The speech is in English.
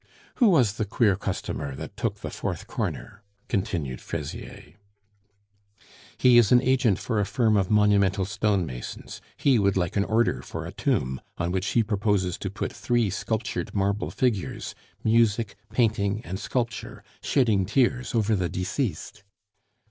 "Who was the queer customer that took the fourth corner?" continued Fraisier. "He is an agent for a firm of monumental stone masons. He would like an order for a tomb, on which he proposes to put three sculptured marble figures Music, Painting, and Sculpture shedding tears over the deceased."